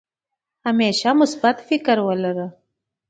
همېشه مثبت فکر ولره